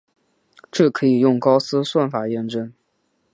这可以用高斯算法验证。